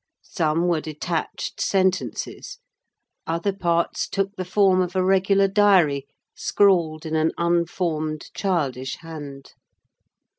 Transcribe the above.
Some were detached sentences; other parts took the form of a regular diary, scrawled in an unformed, childish hand.